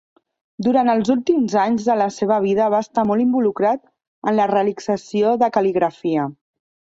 Durant els últims anys de la seva vida va estar molt involucrat en la realització de cal·ligrafia.